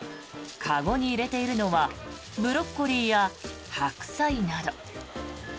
籠に入れているのはブロッコリーやハクサイなど。